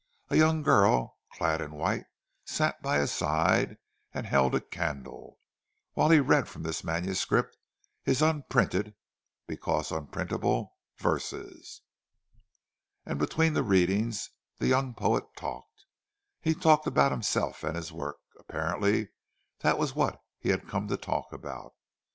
A young girl clad in white sat by his side and held a candle, while he read from this manuscript his unprinted (because unprintable) verses. And between the readings the young poet talked. He talked about himself and his work—apparently that was what he had come to talk about.